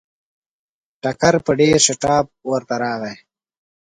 ټکر په ډېر شتاب ورته راغی.